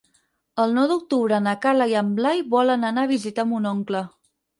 El nou d'octubre na Carla i en Blai volen anar a visitar mon oncle.